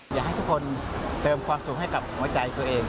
อยากให้ทุกคนเติมความสุขให้กับหัวใจตัวเอง